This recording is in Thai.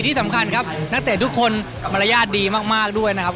ที่สำคัญครับนักเตะทุกคนมารยาทดีมากด้วยนะครับ